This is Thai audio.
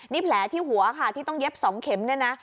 นี่แผลที่หัวค่ะที่ต้องเย็บ๒เข็มเนี่ยนะ